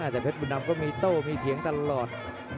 แต่เพชรบุญดำก็มีโต้มีเถียงตลอด